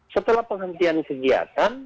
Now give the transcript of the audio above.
setelah penghentian kegiatan